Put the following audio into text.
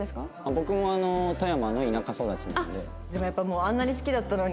僕も富山の田舎育ちなんで。